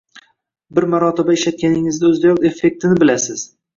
Bir marotaba ishlatganingizni õzidayoq effektini bilinasiz